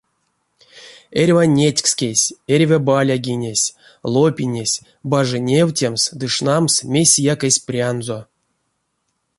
Эрьва нетькскесь, эрьва балягинесь, лопинесь бажи невтемс ды шнамс мейсэяк эсь прянзо.